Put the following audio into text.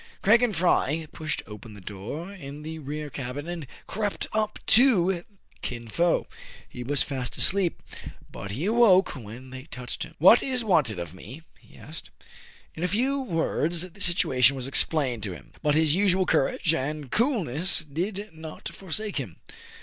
Craig and Fry pushed open the door in the rear cabin, and crept up to Kin Fo. He was fast asleep, but he awoke when they touched him. "What is wanted of me.^" he asked. In a few words the situation was explained to him ; but his usual courage and coolness did not forsake him.